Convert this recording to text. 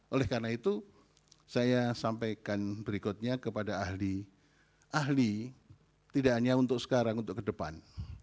oleh karena itu saya sampaikan berikutnya kepada ahli ahli tidak hanya untuk sekarang untuk ke depan